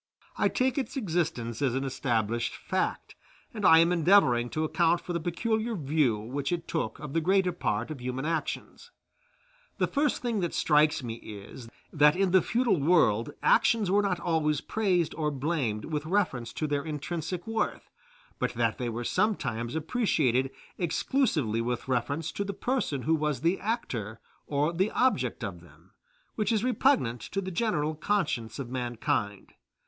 I take its existence as an established fact, and I am endeavoring to account for the peculiar view which it took of the greater part of human actions. The first thing that strikes me is, that in the feudal world actions were not always praised or blamed with reference to their intrinsic worth, but that they were sometimes appreciated exclusively with reference to the person who was the actor or the object of them, which is repugnant to the general conscience of mankind.